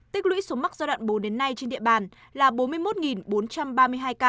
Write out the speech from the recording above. tích lũy số mắc giai đoạn bốn đến nay trên địa bàn là bốn mươi một bốn trăm ba mươi hai ca